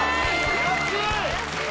安い！